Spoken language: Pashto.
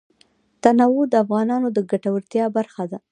تنوع د افغانانو د ګټورتیا برخه ده.